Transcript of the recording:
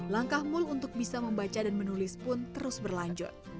langkah mul untuk bisa membaca dan menulis pun terus berlanjut